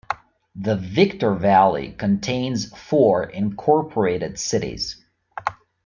The Victor Valley contains four incorporated cities.